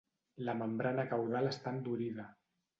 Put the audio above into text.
La membrana caudal està endurida.